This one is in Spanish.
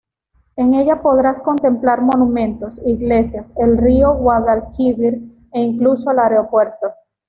En ella podrás contemplar monumentos, iglesias, el rio Guadalquivir e incluso el aeropuerto.